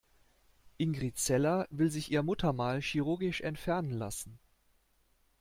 Ingrid Zeller will sich ihr Muttermal chirurgisch entfernen lassen.